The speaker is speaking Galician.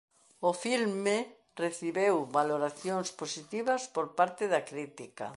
O filme recibiu valoracións positivas por parte da crítica.